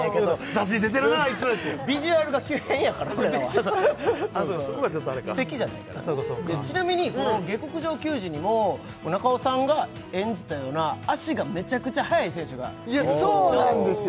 「ＺＡＺＹ出てるなあいつ」ってビジュアルが急変やから俺らはそうかそこがちょっとあれか素敵じゃないからちなみにこの「下剋上球児」にも中尾さんが演じたような足がめちゃくちゃ速い選手がいやそうなんですよ